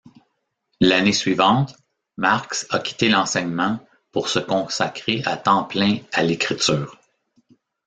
L'année suivante, Marks a quitté l'enseignement pour se consacrer à temps plein à l'écriture.